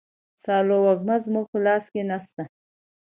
سالو وږمه زموږ په لاس کي نسته.